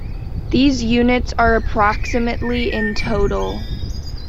These units are approximately in total.